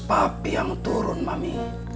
papi yang turun mami